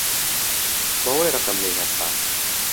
بە وەی ڕقم لێی هەستا